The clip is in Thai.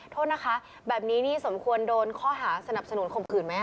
โทษนะคะแบบนี้นี่สมควรโดนข้อหาสนับสนุนข่มขืนไหมค